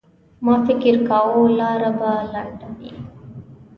ما فکر کاوه لاره به لنډه وي.